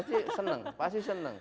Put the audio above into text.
pasti seneng pasti seneng